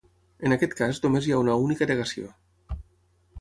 En aquest cas només hi ha una única negació.